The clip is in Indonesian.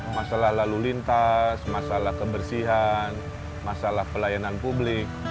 masalah lalu lintas masalah kebersihan masalah pelayanan publik